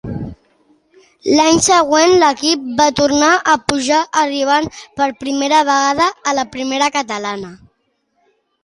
L'any següent l'equip va tornar a pujar, arribant per primera vegada a la Primera Catalana.